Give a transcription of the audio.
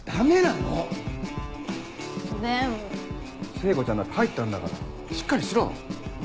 聖子ちゃんだって入ったんだからしっかりしろ。